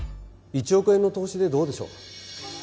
１億円の投資でどうでしょう？